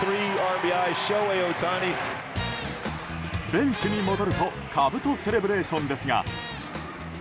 ベンチに戻るとかぶとセレブレーションですが。